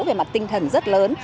về mặt tinh thần rất lớn